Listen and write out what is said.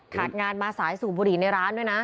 งานมาสายสูบบุหรี่ในร้านด้วยนะ